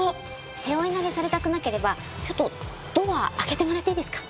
背負い投げされたくなければちょっとドア開けてもらっていいですか？